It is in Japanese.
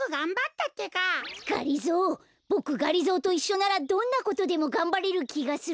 がりぞーボクがりぞーといっしょならどんなことでもがんばれるきがする。